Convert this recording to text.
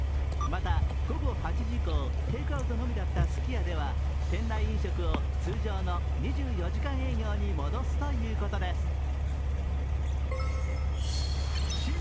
また午後８時以降テークアウトのみだったすき家では店内飲食を通常の２４時間営業に戻すということです。